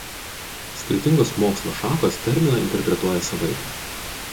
Skirtingos mokslo šakos terminą interpretuoja savaip.